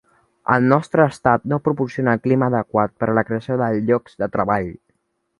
El nostre estat no proporciona el clima adequat per a la creació de llocs de treball.